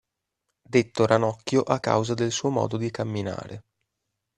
Detto Ranocchio a causa del suo modo di camminare.